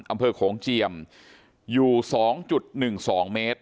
โขงเจียมอยู่๒๑๒เมตร